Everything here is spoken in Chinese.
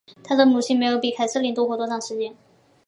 她的母亲没有比凯瑟琳多活多长时间。